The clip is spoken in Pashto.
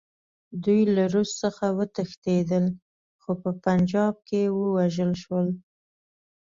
دوی له روس څخه وتښتېدل، خو په پنجاب کې ووژل شول.